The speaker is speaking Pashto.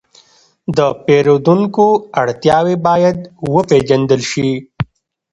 د پیرودونکو اړتیاوې باید وپېژندل شي.